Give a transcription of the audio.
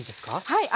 はい。